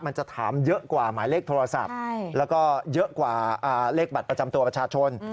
มันจะถามเยอะกว่าหมายเลขโทรศัพท์แล้วก็เยอะกว่าเลขบัตรประจำตัวประชาชน